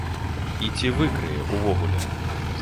І ці выкрые, увогуле?